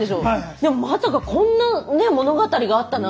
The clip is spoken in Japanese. でもまさかこんな物語があったなんて。